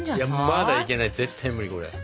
まだいけない絶対無理これ。